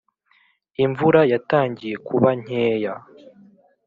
imvura yatangiye kuba nkeya